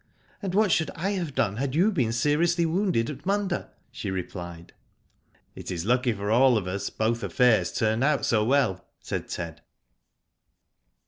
" And what should I have done, had you been seriously wounded at Munda?" she replied. " It is lucky for all of us both affairs turned out so well," said Ted.